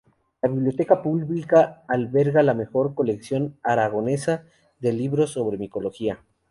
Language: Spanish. La Biblioteca Pública alberga la mejor colección aragonesa de libros sobre micología.